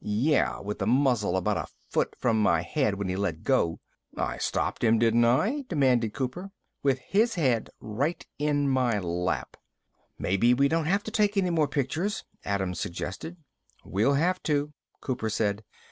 "Yeah, with the muzzle about a foot from my head when he let go." "I stopped him, didn't I?" demanded Cooper. "With his head right in my lap." "Maybe we won't have to take any more pictures," Adams suggested. "We'll have to," Cooper said.